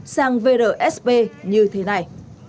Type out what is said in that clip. sang vrsp như thế này